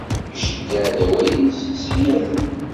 Iceyyeɛ-d awal-is, isseḥla-ten.